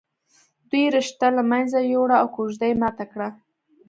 دوی رشته له منځه ويوړه او کوژده یې ماته کړه